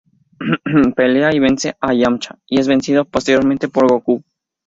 Pelea y vence a Yamcha y es vencido posteriormente por Gokū.